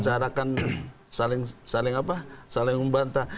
seharakan saling membantah